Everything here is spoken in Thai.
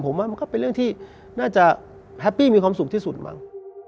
ผมว่ามันก็เป็นเรื่องที่น่าจะแฮปปี้มีความสุขที่สุดมั้ง